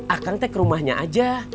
akang tek rumahnya aja